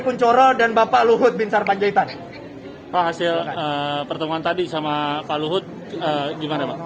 kuncoro dan bapak luhut bin sar panjaitan hasil pertemuan tadi sama pak luhut gimana